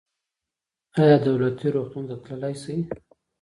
ایا دولتي روغتون ته تللی شئ؟